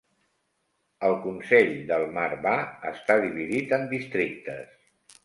El consell Del-Mar-Va està dividit en districtes.